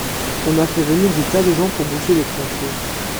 On a fait venir des tas de gens pour boucher les tranchées.